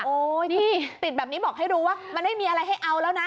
ที่ติดแบบนี้บอกให้รู้ว่ามันไม่มีอะไรให้เอาแล้วนะ